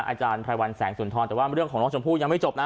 อาจารย์ไพรวัลแสงสุนทรแต่ว่าเรื่องของน้องชมพู่ยังไม่จบนะ